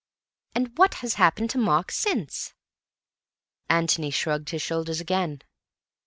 "And what has happened to Mark since?" Antony shrugged his shoulders again.